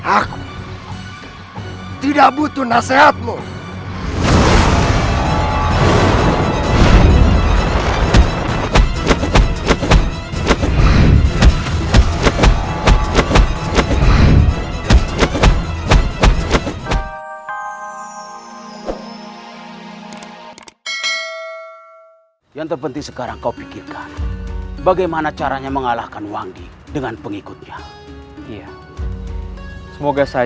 aku tidak butuh nasihatmu